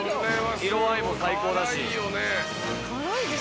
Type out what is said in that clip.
色合いも最高だし。